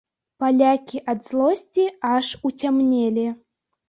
Палякі ад злосці аж уцямнелі.